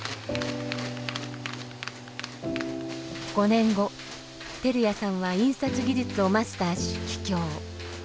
５年後照屋さんは印刷技術をマスターし帰郷。